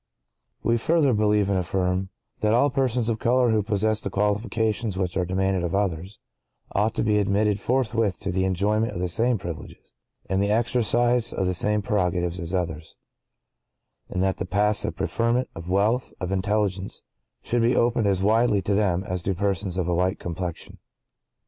(¶ 21) We further believe and affirm— (¶ 22) That all persons of color who possess the qualifications which are demanded of others, ought to be admitted forthwith to the enjoyment of the same privileges, and the exercise of the same prerogatives, as others; and that the paths of preferment, of wealth, of intelligence, shouldbe opened as widely to them as to persons of a white complexion.